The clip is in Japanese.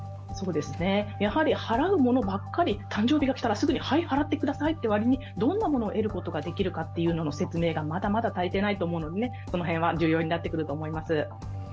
払うものばっかり、誕生日が来たら、はい、払ってくださいというよりどんなものを得ることができるかという説明が、まだまだ足りていないと思うので、その辺は重要になってくると思います。